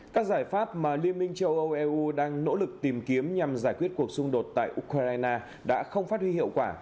các giải pháp mà liên minh châu âu eu đang nỗ lực tìm kiếm nhằm giải quyết cuộc xung đột tại ukraine đã không phát huy hiệu quả